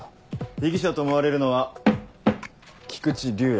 被疑者と思われるのは菊池竜哉。